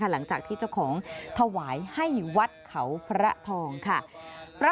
หลังจากที่เจ้าของถวายให้วัดเขาพระทองค่ะ